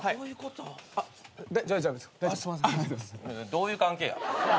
どういう関係や。